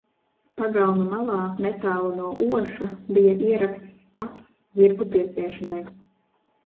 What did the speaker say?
Pagalma malā netālu no oša bija ierakts stabs zirgu piesiešanai.